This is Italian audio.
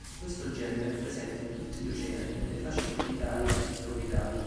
Questo genere è presente in tutti gli oceani nelle fasce tropicali e subtropicali.